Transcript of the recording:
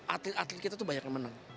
atlet atlet kita tuh banyak yang menang